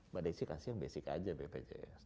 mbak desi kasih yang basic aja bpjs